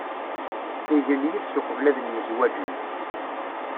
Igen yid-s uqbel ad myezwaǧen.